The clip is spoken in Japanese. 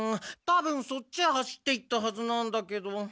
たぶんそっちへ走っていったはずなんだけど。